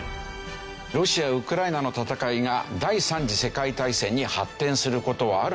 ロシアウクライナの戦いが第三次世界大戦に発展する事はあるのか？